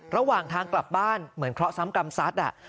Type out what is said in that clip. ระหว่างทางกลับบ้านเหมือนเคราะห์กรรมซัด